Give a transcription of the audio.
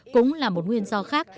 cũng là một nguyên do khác